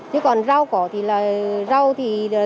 thế còn rau cỏ thì là rau thì rẻ